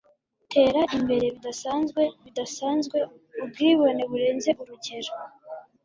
Tera imbere bidasanzwe bidasanzwe ubwibone burenze urugero